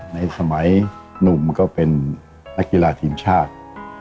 ในสมัยหนุ่มก็เป็นนักกีฬาทีมชาติ